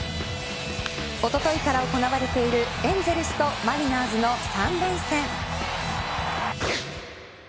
おとといから行われているエンゼルスとマリナーズの三連戦。